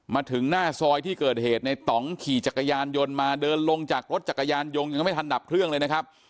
มาถึงหน้าซอยที่เกิดเหตุในต่องขี่จักรยานยนต์มาเดินลงจากรถจักรยานยนต์ยังไม่ทันดับเครื่องเลยนะครับ